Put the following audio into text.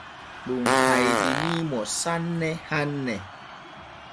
Ɗum hayɗinii mo sanne hanne.